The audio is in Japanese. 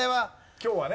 今日はね。